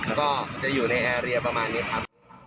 แล้วก็จะอยู่ในแอร์เรียประมาณนี้ครับ